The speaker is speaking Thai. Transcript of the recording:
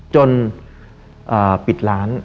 จนปิดร้าน